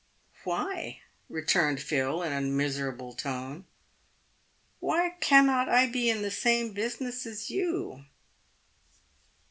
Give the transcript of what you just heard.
" Why ?" returned Phil, in a miserable tone. " Why cannot I be at the same business as you